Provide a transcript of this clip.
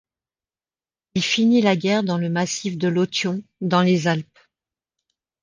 Il finit la guerre dans le massif de l'Authion, dans les Alpes.